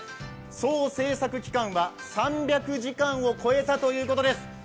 総製作期間は３００時間を超えたということです。